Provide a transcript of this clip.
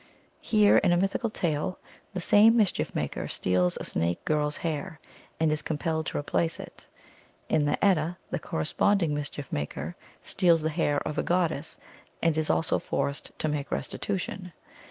Here, in a mythical tale, the same mischief maker steals a snake girl s hair, and is com pelled to replace it. In the Edda, the corresponding mischief maker steals the hair of a goddess, and is also forced to make restitution.